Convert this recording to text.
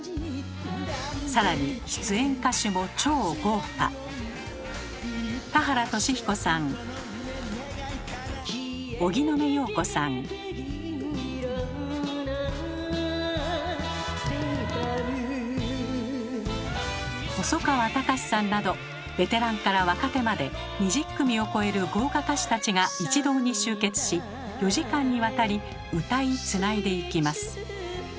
更に出演歌手も超豪華。などベテランから若手まで２０組を超える豪華歌手たちが一堂に集結し４時間にわたり歌いつないでいきます。